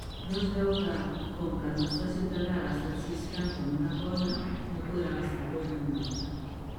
No es veu que, com que el nostre ciutadà ha gastat sis francs en una cosa, no podrà gastar-los en una altra.